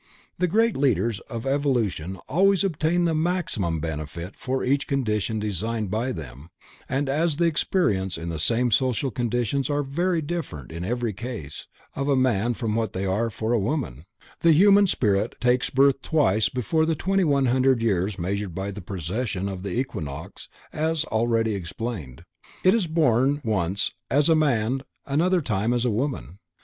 The Great Leaders of evolution always obtain the maximum benefit from each condition designed by them, and as the experiences in the same social conditions are very different in the case of a man from what they are for a woman, the human spirit takes birth twice during the 2100 years measured by the precession of the equinox as already explained, it is born once as a man and another time as a woman.